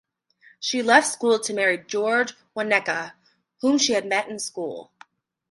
She left school to marry George Wauneka, whom she had met in school.